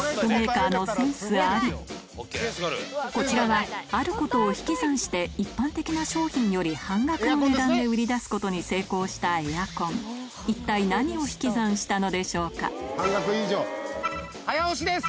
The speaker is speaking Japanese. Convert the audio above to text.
こちらはあることを引き算して一般的な商品より半額の値段で売り出すことに成功したエアコン早押しです。